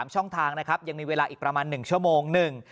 ๓ช่องทางยังมีเวลาอีกประมาณ๑ชั่วโมง